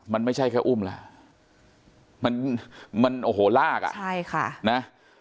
มันไม่ใช่แค่อุ้มล่ะมันมันโอ้โหลากอ่ะใช่ค่ะนะ